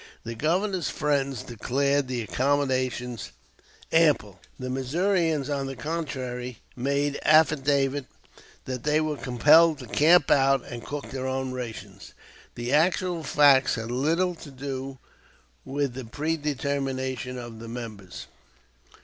The Governor's friends declared the accommodations ample; the Missourians on the contrary made affidavit that they were compelled to camp out and cook their own rations. The actual facts had little to do with the predetermination of the members.